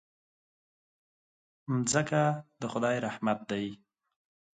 مځکه د خدای رحمت دی.